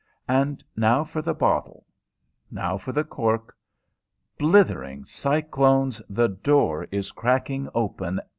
And now for the bottle ... now for the cork.... Blithering cyclones! the door is cracking open